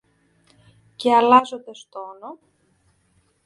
Και αλλάζοντας τόνο